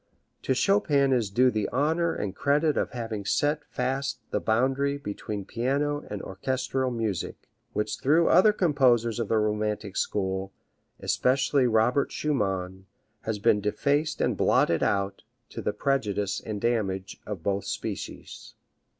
To Chopin is due the honor and credit of having set fast the boundary between piano and orchestral music, which through other composers of the romantic school, especially Robert Schumann, has been defaced and blotted out, to the prejudice and damage of both species."